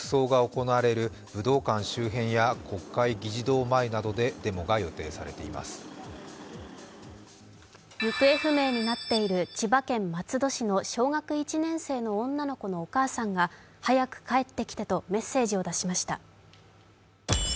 行方不明になっている千葉県松戸市の小学１年生の女の子のお母さんが早く帰ってきてとメッセージを出しました。